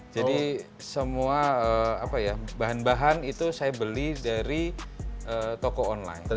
jadi semua bahan bahan itu saya beli dari toko online